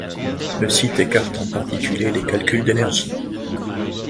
Le site écarte en particulier les calculs d'énergie.